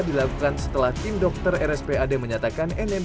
dilakukan setelah tim dokter rspad menyatakan nmb